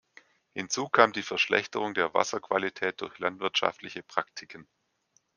Hinzu kam die Verschlechterung der Wasserqualität durch landwirtschaftliche Praktiken.